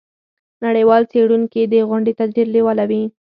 نړیوال څیړونکي دې غونډې ته ډیر لیواله وي.